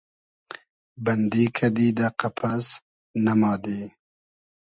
بئندی کئدی دۂ قئپس ، ئمادی